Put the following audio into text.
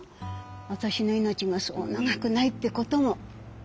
私の命がそう長くないってことも。